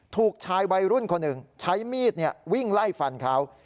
ถูกชายวัยรุ่นคนหนึ่งใช้มีดวิ่งไล่ฟันเขา